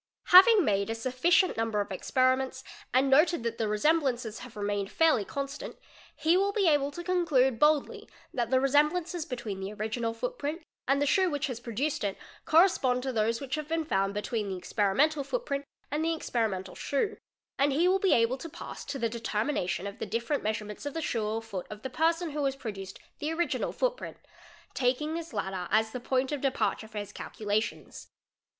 Having made a sufficient number of "experiments and noted that the resemblances have remained fairly con "stant, he will be able to conclude boldly that the resemblances between the original footprint and the shoe which has produced it correspond to those Which have been found between the experimental footprint and the ex 'perimental shoe; and he will be able to pass to the determination of the different measurements of the shoe or foot of the person who has produced the original footprint, taking this latter as the point of departure for his 'ealculations.